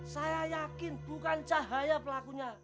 saya yakin bukan cahaya pelakunya